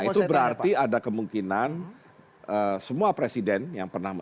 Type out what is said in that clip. nah itu berarti ada kemungkinan semua presiden yang pernah